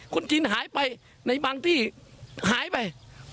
คุณจินหายไปในบางที่หายไป